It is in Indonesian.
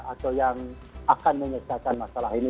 atau yang akan menyelesaikan masalah ini